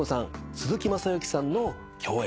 鈴木雅之さんの共演